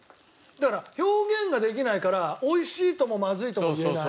だから表現ができないから美味しいともまずいとも言えない。